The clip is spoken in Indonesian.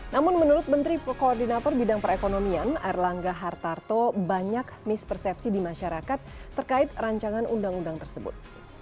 namun menurut menteri koordinator bidang perekonomian erlangga hartarto banyak mispersepsi di masyarakat terkait rancangan undang undang tersebut